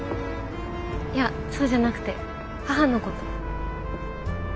いやそうじゃなくて母のこと。